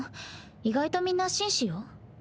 意外とみんな紳士よ。